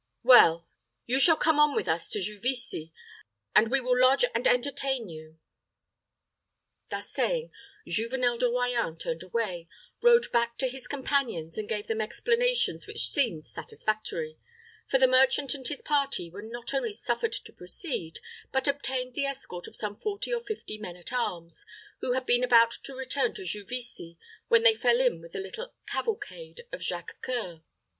Well, you shall come on with us to Juvisy, and we will lodge and entertain you." Thus saying, Juvenel de Royans turned away, rode back to his companions, and gave them explanations which seemed satisfactory; for the merchant and his party were not only suffered to proceed, but obtained the escort of some forty or fifty men at arms, who had been about to return to Juvisy when they fell in with the little cavalcade of Jacques C[oe]ur.